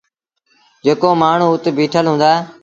جيڪو مآڻهوٚٚ اُت بيٚٺل هُݩدآ